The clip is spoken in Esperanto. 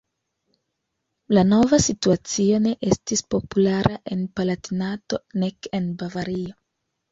La nova situacio ne estis populara en Palatinato, nek en Bavario.